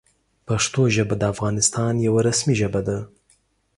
پښتو ژبه د افغانستان یوه رسمي ژبه ده.